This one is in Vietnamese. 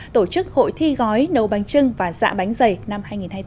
tổ chức hội thi gói nấu bánh trưng và dạ bánh dày năm hai nghìn hai mươi bốn